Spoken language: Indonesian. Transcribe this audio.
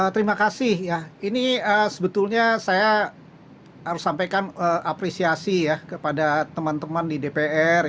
terima kasih ya ini sebetulnya saya harus sampaikan apresiasi ya kepada teman teman di dpr